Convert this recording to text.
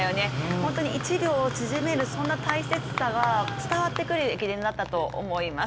本当に１秒縮める、その大切さが伝わってくる駅伝だったと思います。